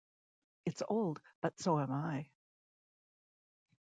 It's old, but so am I!